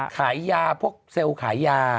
ขายยาพวกเซลล์ขายยา